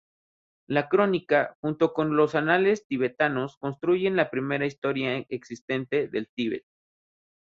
La Crónica, junto con los Anales Tibetanos, constituyen la primera historia existente del Tíbet.